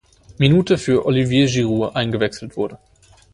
Minute für Olivier Giroud eingewechselt wurde.